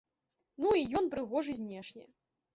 Ну і ён прыгожы знешне.